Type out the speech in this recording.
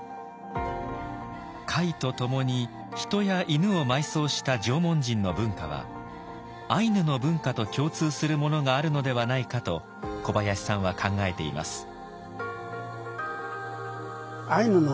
貝と共に人や犬を埋葬した縄文人の文化はアイヌの文化と共通するものがあるのではないかと小林さんは考えています。